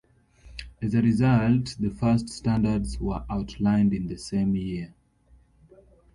As a result, the first standards were outlined in the same year.